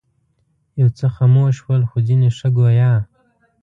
یو څه خموش ول خو ځینې ښه ګویا.